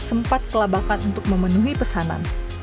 sempat kelabakan untuk memenuhi pesanan